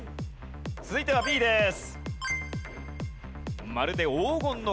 続いてはＢです。